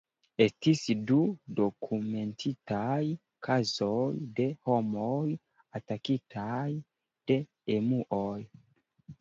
Estis du dokumentitaj kazoj de homoj atakitaj de emuoj.